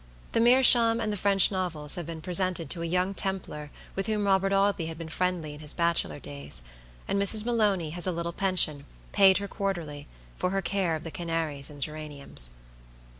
The meerschaum and the French novels have been presented to a young Templar with whom Robert Audley had been friendly in his bachelor days; and Mrs. Maloney has a little pension, paid her quarterly, for her care of the canaries and geraniums.